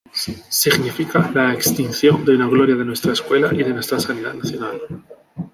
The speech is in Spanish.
Significa la extinción de una gloria de nuestra Escuela y de nuestra sanidad nacional.